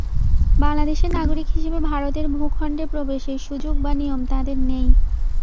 বাংলাদেশের নাগরিক হিসেবে ভারতের ভূখণ্ডে প্রবেশের সুযোগ বা নিয়ম তাঁদের নেই।